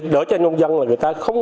đỡ cho nông dân là người ta không